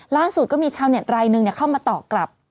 ล่าสุดก็มีชาวเน็ตรายหนึ่งเข้ามาตอบกลับ